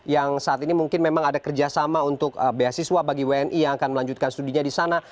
yang saat ini mungkin memang ada kerjasama untuk beasiswa bagi wni yang akan melanjutkan studinya di sana